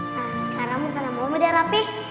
nah sekarang bukan nambah muda rapih